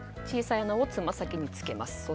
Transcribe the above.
小さい穴をつま先につけます。